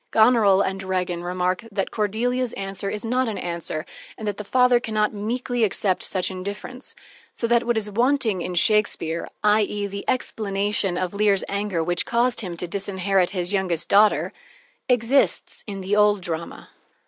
Goneril and Regan remark that Cordelia's answer is not an answer, and that the father can not meekly accept such indifference, so that what is wanting in Shakespeare i.e., the explanation of Lear's anger which caused him to disinherit his youngest daughter, exists in the old drama.